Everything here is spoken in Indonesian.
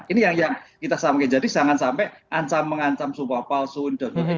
ini yang kita sampai jadi jangan sampai ancam mengancam sumpah palsu undang undang